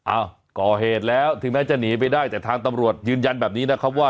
อ้าวก่อเหตุแล้วถึงแม้จะหนีไปได้แต่ทางตำรวจยืนยันแบบนี้นะครับว่า